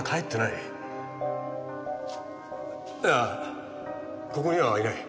いやここにはいない。